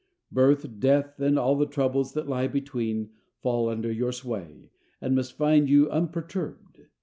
Birth, death, and all the troubles that lie between, fall under your sway, and must find you unperturbed.